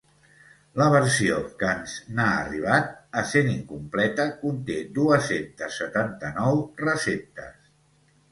La versió que ens n'ha arribat, essent incompleta, conté dues-centes setanta-nou receptes.